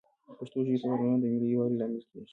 پښتو ژبې ته پاملرنه د ملي یووالي لامل کېږي